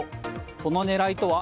その狙いとは。